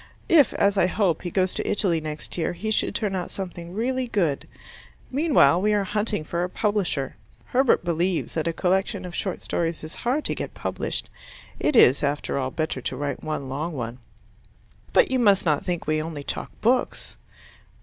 If, as I hope, he goes to Italy next year, he should turn out something really good. Meanwhile we are hunting for a publisher. Herbert believes that a collection of short stories is hard to get published. It is, after all, better to write one long one. But you must not think we only talk books.